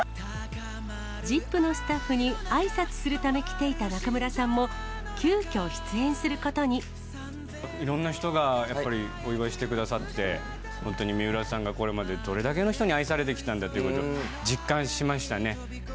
ＺＩＰ！のスタッフにあいさつするため来ていた中村さんも、急きょ、いろんな人がやっぱり、お祝いしてくださって、本当に水卜さんがこれまでどれだけの人に愛されてきたんだということ、実感しましたね。